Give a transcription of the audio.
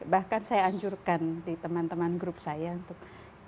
bahkan saya anjurkan di teman teman grup saya untuk